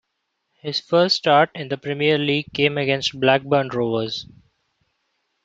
His first start in the Premier League came against Blackburn Rovers.